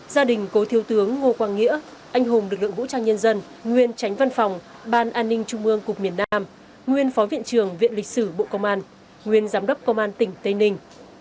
gia đình cố thiếu tướng ngô quang nghĩa anh hùng lực lượng vũ trang nhân dân nguyên tránh văn phòng ban an ninh trung ương cục miền nam nguyên phó viện trưởng viện lịch sử bộ công an nguyên giám đốc công an tỉnh tây ninh